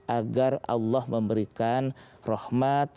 agar allah memberikan rahmat